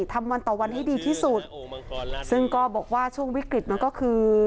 ทำวันต่อวันให้ดีที่สุดซึ่งก็บอกว่าช่วงวิกฤตมันก็คือ